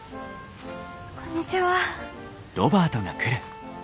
こんにちは。